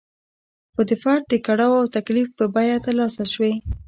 خو د فرد د کړاو او تکلیف په بیه ترلاسه شوې.